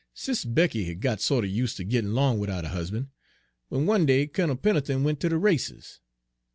"Sis' Becky had got sorter useter' gittin' 'long widout her husban', w'en one day Kunnel Pen'leton went ter de races.